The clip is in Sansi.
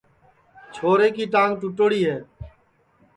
ٻگتیئے کی ٹانگ ٹُوٹوڑی ہے